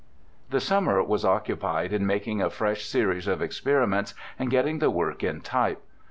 The summer was occupied in making a fresh series of experiments and getting the work in type.